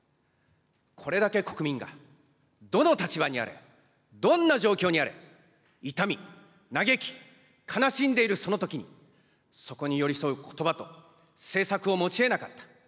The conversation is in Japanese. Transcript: これだけ国民が、どの立場にあれ、どんな状況にあれ、痛み、嘆き、悲しんでいるそのときに、そこに寄り添うことばと政策を持ちえなかった。